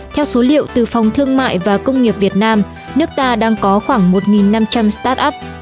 theo số liệu từ phòng thương mại và công nghiệp việt nam nước ta đang có khoảng một năm trăm linh start up